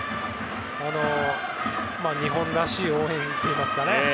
日本らしい応援というか。